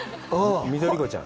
緑子ちゃん。